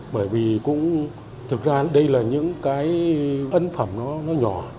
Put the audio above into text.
bởi vì cũng thực ra đây là những cái ấn phẩm nó nhỏ